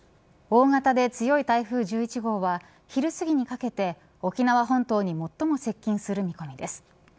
大型で強い台風１１号は昼すぎにかけて沖縄本島に最も接近する見込みです。